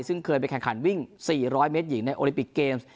ซึ่งเคยไปแข่งขันวิ่ง๔๐๐เมตรหญิงในโอลิปิกเกมส์